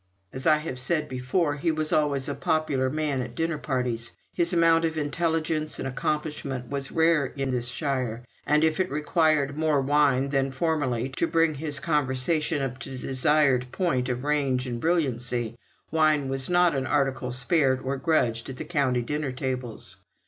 As I have said before, he was always a popular man at dinner parties. His amount of intelligence and accomplishment was rare in shire, and if it required more wine than formerly to bring his conversation up to the desired point of range and brilliancy, wine was not an article spared or grudged at the county dinner tables.